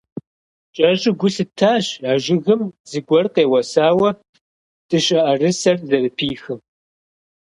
КӀэщӀу гу лъыттащ а жыгым зыгуэр къеуэсауэ дыщэӀэрысэр зэрыпихым.